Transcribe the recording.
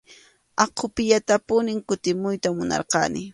Aqupiyatapunim kutimuyta munarqani.